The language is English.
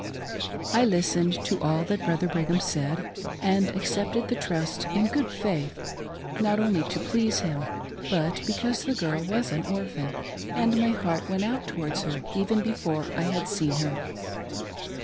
I listened to all that Brother Brigham said, and accepted the trust in good faith — not only to please him, but because the girl was an orphan, and my heart went out towards her even before I had seen her.